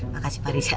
makasih pak riza